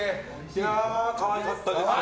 いやー、可愛かったですね。